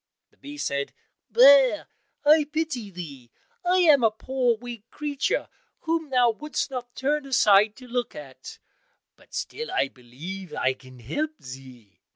The bee said, "Bear I pity thee, I am a poor weak creature whom thou wouldst not turn aside to look at, but still, I believe, I can help thee."